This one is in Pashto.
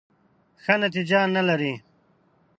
ښه نتیجه نه لري .